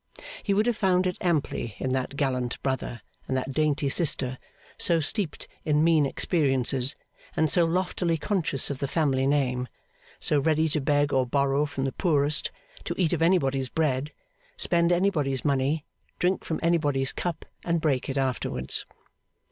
He would have found it amply in that gallant brother and that dainty sister, so steeped in mean experiences, and so loftily conscious of the family name; so ready to beg or borrow from the poorest, to eat of anybody's bread, spend anybody's money, drink from anybody's cup and break it afterwards.